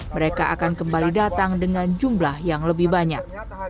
mereka akan kembali datang dengan jumlah yang lebih banyak